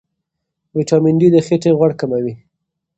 ویټامین ډي د خېټې غوړ کموي.